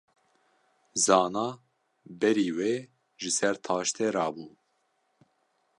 Zana berî wê ji ser taştê rabû.